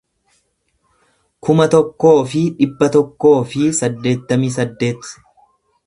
kuma tokkoo fi dhibba tokkoo fi saddeettamii saddeet